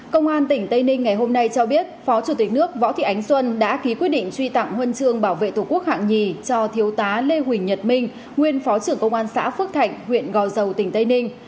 công an tỉnh tây ninh ngày hôm nay cho biết phó chủ tịch nước võ thị ánh xuân đã ký quyết định truy tặng huân chương bảo vệ tổ quốc hạng nhì cho thiếu tá lê huỳnh nhật minh nguyên phó trưởng công an xã phước thạnh huyện gò dầu tỉnh tây ninh